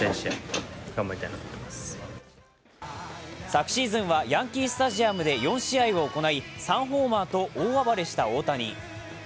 昨シーズンはヤンキースタジアムで４試合を行い３ホーマーと大暴れした大谷。